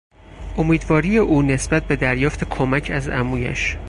امیدواری او نسبت به دریافت کمک از عمویش